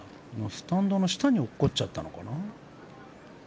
スタンドの下に落っこっちゃったのかな。